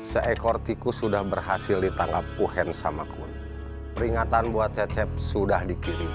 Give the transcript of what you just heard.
seekor tikus sudah berhasil ditangkap uhen samakun peringatan buat cecep sudah dikirim